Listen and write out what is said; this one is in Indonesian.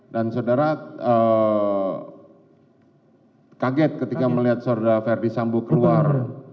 dan saudara kaget ketika melihat saudara ferdi sambo keluar